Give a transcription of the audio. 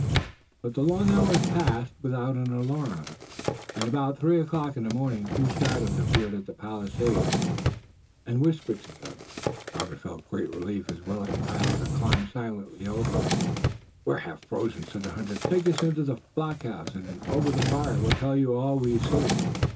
But the long hours passed without an alarm and about three o'clock in the morning two shadows appeared at the palisade and whispered to them. Robert felt great relief as Willet and Tayoga climbed silently over. "We're half frozen," said the hunter. "Take us into the blockhouse and over the fire we'll tell you all we've seen."